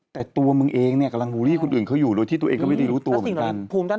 แต่ตัวมึงเองเนี่ยกำลังบูลลี่คนอื่นเขาอยู่โดยที่ตัวเองก็ไม่ได้รู้ตัวเหมือนกัน